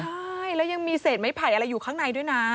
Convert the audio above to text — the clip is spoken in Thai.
ใช่แล้วยังมีเศษไม้ไผ่อะไรอยู่ข้างในด้วยนะ